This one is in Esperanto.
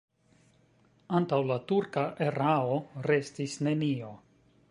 Antaŭ la turka erao restis nenio.